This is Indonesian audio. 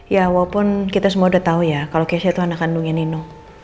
ya walaupun kita semua udah tau ya kalo kesnya tuh anak kandungnya nino